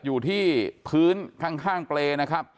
อยู่ที่พื้นข้างเปรย์นะครับ